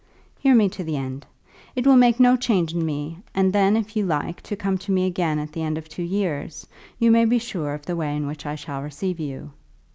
"Hear me to the end. It will make no change in me; and then if you like to come to me again at the end of the two years, you may be sure of the way in which I shall receive you."